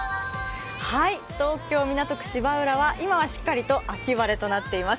東京・港区芝浦は今はしっかりと秋晴れとなっています。